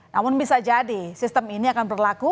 namun bisa jadi sistem ini akan berlaku